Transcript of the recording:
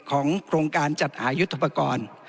โครงการจัดหายุทธปกรณ์